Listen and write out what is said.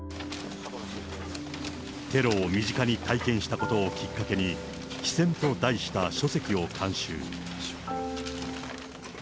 テロを身近に体験したことをきっかけに、非戦と題した書籍を監修。